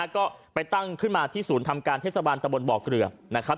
ก็ไปตั้งขึ้นมาที่ศูนย์ทำการเทศบาลตะบนบ่อเกลือนะครับ